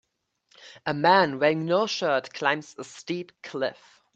A man wearing no shirt climbs a steep cliff.